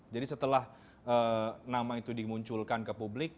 jadi setelah nama itu dimunculkan ke publik